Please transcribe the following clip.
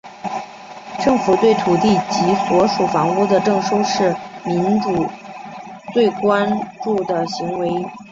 政府对土地及所属房屋的征收是民众最为关注的行为。